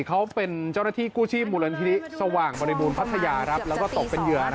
เขาเป็นเจ้าหน้าที่กู้ชีมหลังฤทธิสว่างปรบุรรณพัฒนายากแล้วก็ตกเป็นเหยื่อราชา